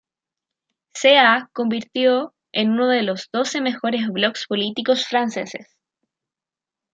Se ha convirtió en uno de los doce mejores blogs políticos franceses.